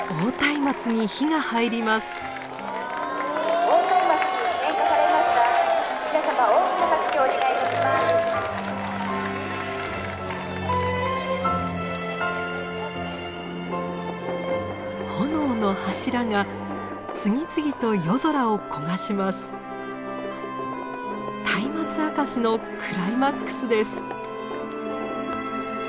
「松明あかし」のクライマックスです。